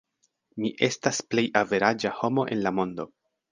Mi estas plej averaĝa homo en la mondo.